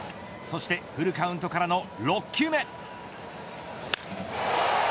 そしてフルカウントからの６球目。